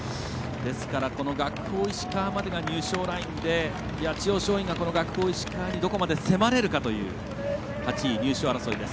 学法石川までが入賞ラインで八千代松陰が、学法石川にどこまで迫れるかという８位の入賞争いです。